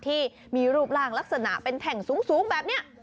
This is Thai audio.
ที่มีรูปร่างลักษณะเป็นแท่งสูงแบบนี้